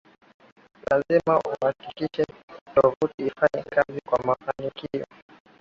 lazima uhakikishe tovuti ifanye kazi kwa mafanikio